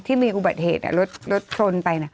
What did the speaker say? ที่มีอุบัติเหตุรถชนไป